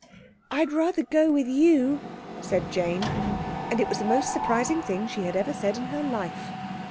"I'd rather go with you," said Jane. And it was the most surprising thing she had ever said in her life.